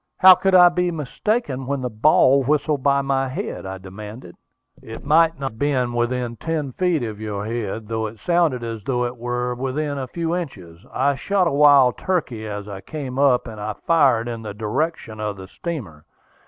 "How could I be mistaken when the ball whistled by my head?" I demanded. "It might not have been within ten feet of your head, though it sounded as though it were within a few inches. I shot a wild turkey as I came up, and I fired in the direction of the steamer.